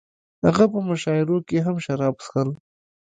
هغه په مشاعرو کې هم شراب څښل